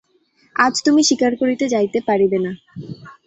আজ তুমি শিকার করিতে যাইতে পারিবে না।